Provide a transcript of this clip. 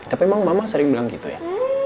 tapi memang mama sering bilang gitu ya